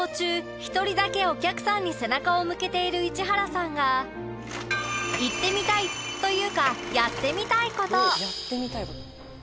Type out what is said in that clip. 一人だけお客さんに背中を向けている市原さんが言ってみたいというかやってみたい事